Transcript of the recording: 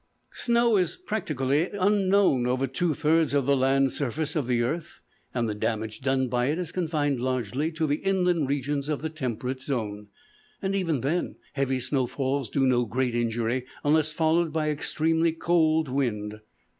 Snow is practically unknown over two thirds of the land surface of the earth, and the damage done by it is confined largely to the inland regions of the temperate zone. And even then heavy snowfalls do no great injury unless followed by extremely cold wind.